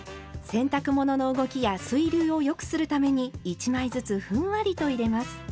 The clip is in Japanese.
洗濯物の動きや水流をよくするために１枚ずつふんわりと入れます。